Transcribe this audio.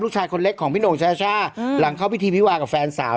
ลูกชายคนเล็กของพี่โหน่งชาช่าอืมหลังเข้าวิธีพิวารกับแฟนสาว